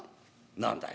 「何だい？」。